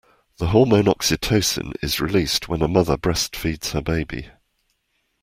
The hormone oxytocin is released when a mother breastfeeds her baby.